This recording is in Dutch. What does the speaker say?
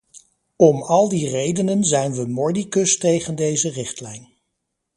Om al die redenen zijn we mordicus tegen deze richtlijn.